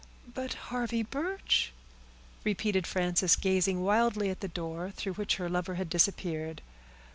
"But Harvey Birch," repeated Frances, gazing wildly at the door through which her lover had disappeared.